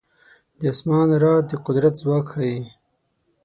د اسمان رعد د قدرت ځواک ښيي.